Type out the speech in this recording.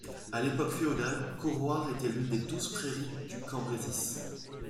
À l'époque féodale, Cauroir était l'une des douze pairies du Cambrésis.